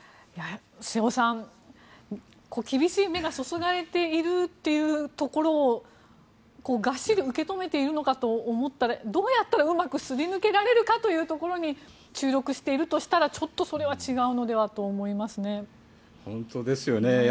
瀬尾さん、厳しい目が注がれているというところをがっしり受け止めているのかと思ったらどうやったらうまくすり抜けられるかというところに注力しているとしたらちょっとそれは違うのではと本当ですね。